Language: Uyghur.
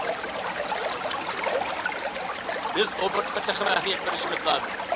بىز ئوبوروتقا تېخىمۇ ئەھمىيەت بېرىشىمىز لازىم.